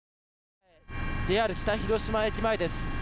ＪＲ北広島駅前です。